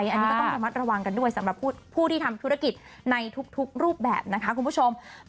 อันนี้ก็ต้องระมัดระวังกันด้วยสำหรับผู้ที่ทำธุรกิจในทุกรูปแบบนะคะคุณผู้ชม